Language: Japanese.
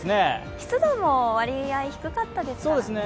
湿度も割合低かったですからね。